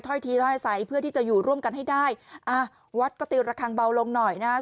ทีถ้อยใสเพื่อที่จะอยู่ร่วมกันให้ได้อ่าวัดก็ตีระคังเบาลงหน่อยนะฮะ